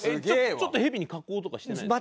ちょっとヘビに加工とかしてないんですか？